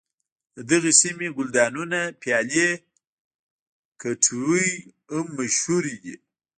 د دغې سیمې ګلدانونه پیالې کټوۍ هم مشهور دي.